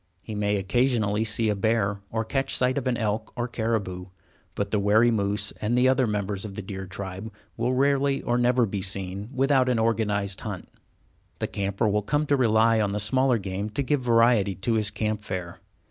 He may occasionally see a bear, or catch sight of an elk or caribou, but the wary moose and the other members of the deer tribe will rarely or never be seen without an organized hunt. The camper will come to rely on the smaller game to give variety to his camp fare.